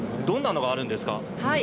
どんなものがあるんですか？